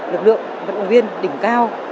lực lượng vận động viên đỉnh cao